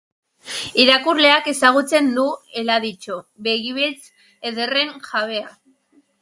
Irakurleak ezagutzen du Eladitxo, begi beltz ederren jabea.